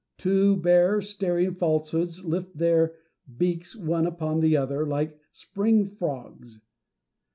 Two bare, staring falsehoods lift their beaks one upon the other, like spring frogs.